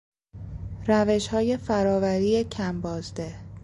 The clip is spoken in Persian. روشهای فرآوری کم بازده